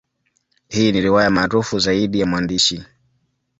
Hii ni riwaya maarufu zaidi ya mwandishi.